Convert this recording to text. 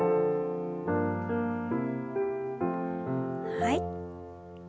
はい。